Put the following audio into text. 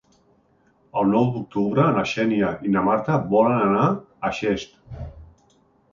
El nou d'octubre na Xènia i na Marta volen anar a Xest.